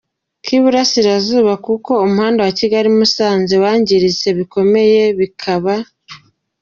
kiburasirazuba, kuko umuhanda wa Kigali-Musanze wangiritse bikomeye bikaba.